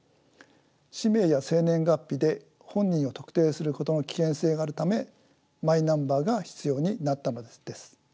氏名や生年月日で本人を特定することの危険性があるためマイナンバーが必要になったのです。